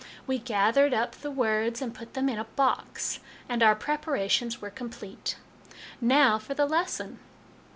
We gathered up the words and put them in a box, and our prepara tions were complete. " Now for the lesson.